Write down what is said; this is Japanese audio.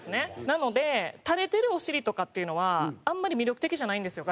なので垂れてるお尻とかっていうのはあんまり魅力的じゃないんですよ